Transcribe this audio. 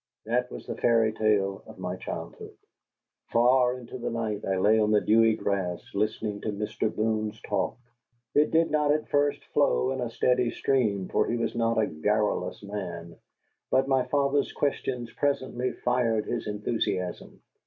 That was the fairy tale of my childhood. Far into the night I lay on the dewy grass listening to Mr. Boone's talk. It did not at first flow in a steady stream, for he was not a garrulous man, but my father's questions presently fired his enthusiasm.